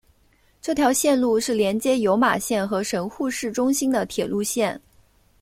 这条线路是连接有马线和神户市中心的铁路线。